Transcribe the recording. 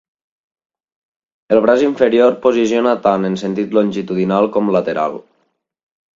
El braç inferior posiciona tant en sentit longitudinal com lateral.